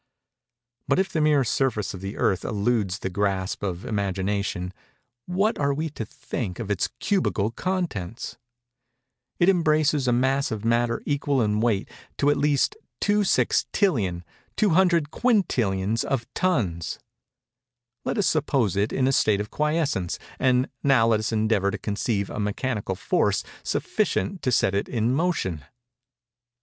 But if the mere surface of the Earth eludes the grasp of the imagination, what are we to think of its cubical contents? It embraces a mass of matter equal in weight to at least 2 sextillions, 200 quintillions of tons. Let us suppose it in a state of quiescence; and now let us endeavor to conceive a mechanical force sufficient to set it in motion!